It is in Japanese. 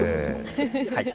はい。